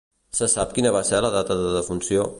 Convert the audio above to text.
Se sap quina va ser la data de defunció?